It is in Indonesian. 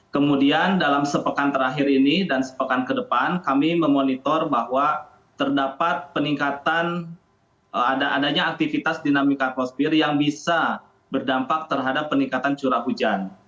kemudian dalam sepekan terakhir ini dan sepekan ke depan kami memonitor bahwa terdapat peningkatan adanya aktivitas dinamika atmosfer yang bisa berdampak terhadap peningkatan curah hujan